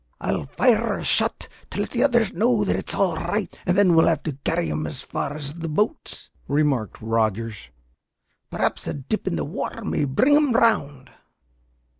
"I'll fire a shot to let the others know that it's all right, and then we'll have to carry him as far as the boats," remarked Rogers. "Perhaps a dip in the water may bring him round."